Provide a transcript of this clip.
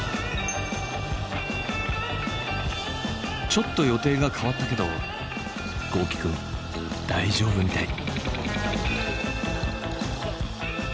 ちょっと予定が変わったけど豪輝くん大丈夫みたい。